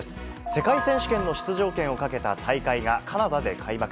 世界選手権の出場権をかけた大会が、カナダで開幕。